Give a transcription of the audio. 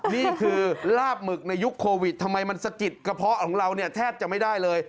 นี่คือลาบหมึกในยุคโควิดทำไมมันสะกิดกระเพาะของเราเนี่ยแทบจะไม่ได้เลย